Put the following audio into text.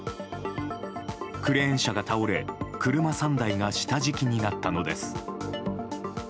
クレーン車が倒れ車３台が下敷きになったのです。